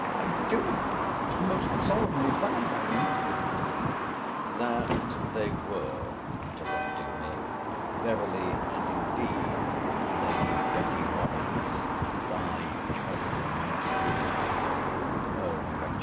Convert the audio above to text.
—I do must solemnly vow, Madam—— That they were, interrupting me, verily and indeed Lady Betty Lawrance and thy cousin Montague!—O wretch!